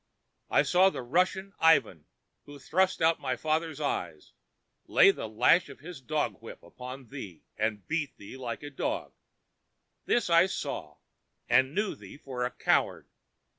I saw the Russian, Ivan, who thrust out my father's eyes, lay the lash of his dog whip upon thee and beat thee like a dog. This I saw, and knew thee for a coward.